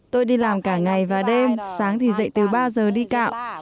tôi đi làm cả ngày và đêm sáng thì dậy từ ba giờ đi cạo